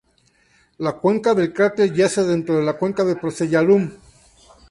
La cuenca del cráter yace dentro de la cuenca Procellarum.